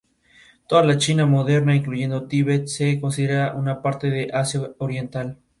Toda la China moderna, incluyendo el Tíbet, se considera una parte de Asia Oriental.